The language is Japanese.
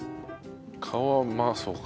皮まあそうか。